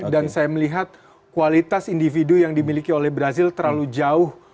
dan saya melihat kualitas individu yang dimiliki oleh brazil terlalu jauh